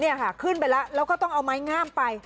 นี่ค่ะขึ้นไปแล้วแล้วก็ต้องเอาไม้งามไป